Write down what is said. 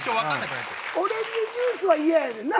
オレンジジュースは嫌やねんな。